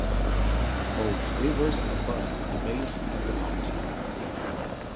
Both rivers abut the base of the mountain.